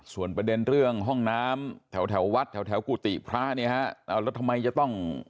ส่วนประเด็นเรื่องห้องน้ำแถวแถววัดแถวแถวกุฏิพระเนี่ยฮะเอาแล้วทำไมจะต้อง